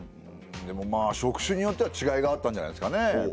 でもまあ職種によってはちがいがあったんじゃないですかねえ。